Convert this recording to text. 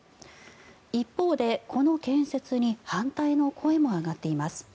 一方で、この建設に反対の声も上がっています。